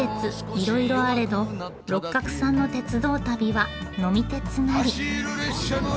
いろいろあれど六角さんの鉄道旅は呑み鉄なり。